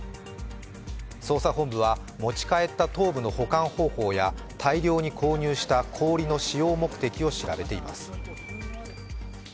捜査本部は持ち帰った頭部の保管方法や大量に購入した氷の使用目的を調べています。